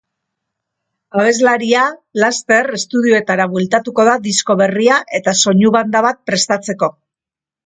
Abeslaria laster estudioetara bueltatuko da disko berria eta soinu banda bat prestatzeko.